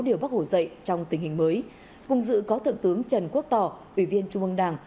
sáu điều bác hồ dạy trong tình hình mới cùng dự có thượng tướng trần quốc tò ủy viên trung ương đảng